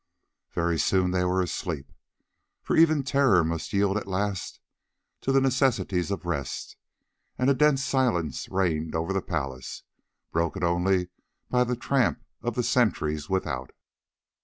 Very soon they were asleep, for even terror must yield at last to the necessities of rest, and a dense silence reigned over the palace, broken only by the tramp of the sentries without.